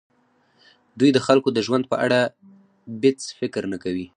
دوی د خلکو د ژوند په اړه بېڅ فکر نه کوي.